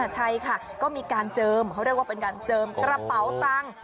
ใช่ค่ะก็มีการเจิมเขาเรียกว่าเป็นการเจิมกระเป๋าตังค์